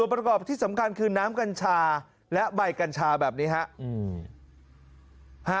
ประกอบที่สำคัญคือน้ำกัญชาและใบกัญชาแบบนี้ครับ